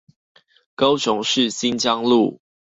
高雄市新疆路